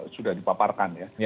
sudah dipaparkan ya